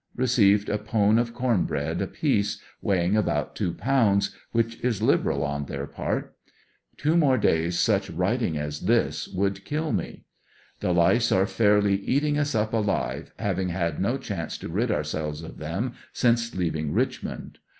Received a pone of corn bread apiece weighing about two pounds, which is liberal on their part Two more days such riding as this would kill me The lice are fairly eating us up ^live, having had no chance to rid ourselves of them since leaving Richmond.